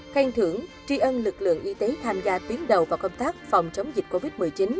khen thưởng tri ân lực lượng y tế tham gia tuyến đầu vào công tác phòng chống dịch covid một mươi chín